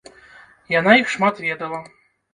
Яна іх шмат ведала.